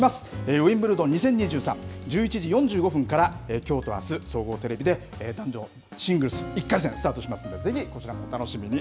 ウィンブルドン２０２３、１１時４５分からきょうとあす、総合テレビで男女シングルス１回戦、スタートしますんで、ぜひこちらもお楽しみに。